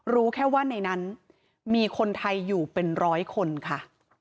รู้แค่ว่าในนั้นมีคนไทยอยู่เป็นร้อยคนค่ะ